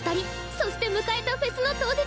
そして迎えたフェスの当日！